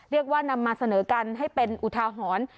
เรียกว่านำมาเสนอกันให้เป็นอุทาหรณ์